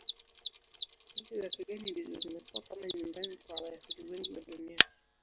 Nchi za kigeni ndizo zimekuwa kama nyumbani kwa Wayahudi wengi wa Dunia.